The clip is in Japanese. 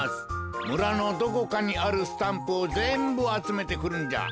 むらのどこかにあるスタンプをぜんぶあつめてくるんじゃ。